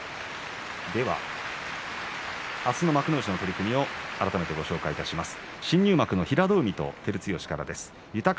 明日の幕内の取組を改めてご紹介します。